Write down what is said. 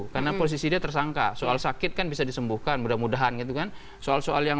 karena posisi dia tersangka soal sakit kan bisa disembuhkan mudah mudahan itu kan soal soal yang